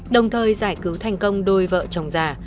đồng thời giải cứu thành công đôi vợ chồng già